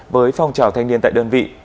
với phòng trào thanh niên tại đơn vị